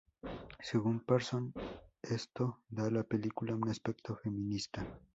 Según Parsons, esto da a la película un aspecto feminista.